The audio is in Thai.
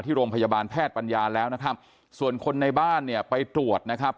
โรงพยาบาลแพทย์ปัญญาแล้วนะครับส่วนคนในบ้านเนี่ยไปตรวจนะครับ